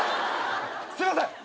すいません。